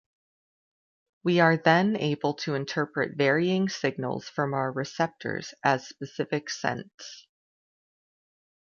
We are then able to interpret varying signals from our receptors as specific scents.